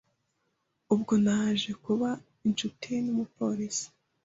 ubwo naje kuba inshuti n’umupolisi